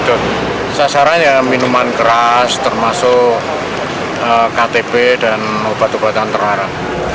sesuai dengan sasaran minuman keras termasuk ktp dan obat obatan terharam